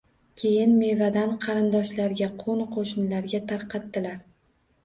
Keyin mevadan qarindoshlarga, qo‘ni-qo‘shnilarga tarqatardilar.